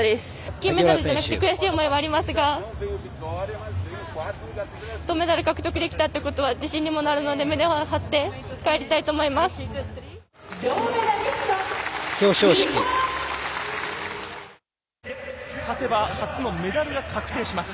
金メダルじゃなくて悔しい思いはありますが銅メダル獲得できたということは自信にもなるので胸を張って帰りたいと思います。